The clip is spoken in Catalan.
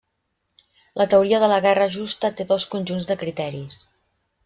La teoria de la guerra justa té dos conjunts de criteris.